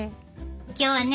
今日はね